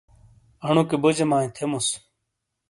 انوکے بوجیمائی تھیموس۔